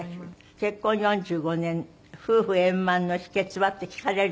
結婚４５年夫婦円満の秘訣は？って聞かれるでしょ？